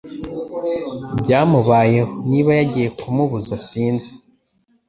byamubayeho niba yagiye kumubuza sinzi